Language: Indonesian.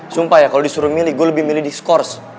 sumpah ya kalo disuruh milih gua lebih milih diskors